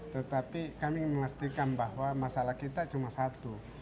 tetapi kami memastikan bahwa masalah kita cuma satu